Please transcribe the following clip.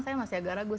saya masih agak ragu